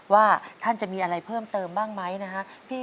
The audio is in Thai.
ว่าท่านจะมีอะไรเพิ่มเติมบ้างไหมนะฮะ